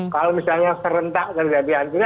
kalau misalnya serentak terjadi antingan ya pak fahmi